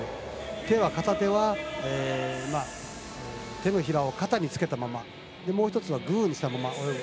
手は片手は手のひらを肩につけたままもう１つはグーにしたまま泳ぐ。